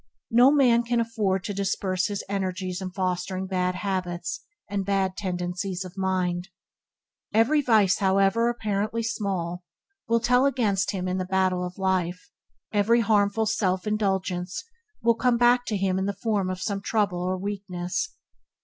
No man can afford to disperse his energies in fostering bad habits and bad tendencies of mind. Every vice, however, apparently small will tell against him in the battle of life. Every harmful self indulgence will come back to him in the form of some trouble or weakness.